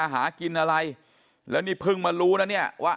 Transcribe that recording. หากินอะไรแล้วนี่เพิ่งมารู้นะเนี่ยว่า